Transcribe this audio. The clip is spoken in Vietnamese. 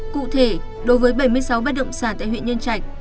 cụ thể đối với bảy mươi sáu bất động sản tại huyện nhân trạch